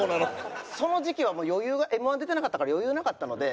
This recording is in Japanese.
その時期はもう余裕がＭ−１出てなかったから余裕なかったので。